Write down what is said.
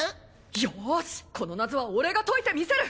よしこの謎は俺が解いてみせる！